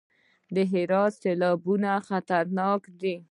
د هرات سیلابونه خطرناک دي